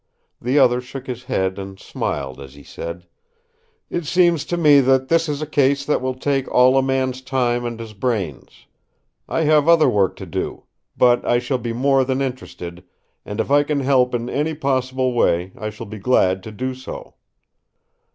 The other shook his head and smiled as he said: "It seems to me that this is a case that will take all a man's time and his brains. I have other work to do; but I shall be more than interested, and if I can help in any possible way I shall be glad to do so!"